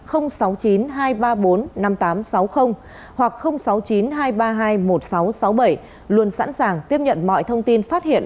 hoặc sáu mươi chín hai trăm ba mươi hai một nghìn sáu trăm sáu mươi bảy luôn sẵn sàng tiếp nhận mọi thông tin phát hiện